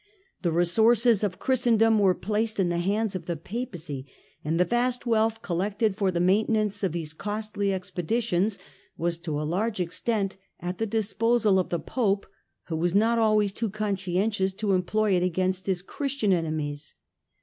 The resources of Christendom were placed in the hands of the Papacy, and the vast wealth collected for the maintenance of these costly expeditions was to a large extent at the disposal of the Pope, who was not always too conscientious to employ it against his Christian enemies.